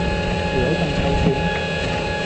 條友咁臭串？